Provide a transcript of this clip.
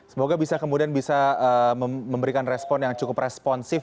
semoga bisa kemudian bisa memberikan respon yang cukup responsif